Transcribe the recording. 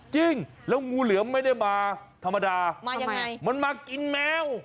จริงแล้วงูเหลือมไม่ได้มาธรรมดามายังไงมันมากินแมว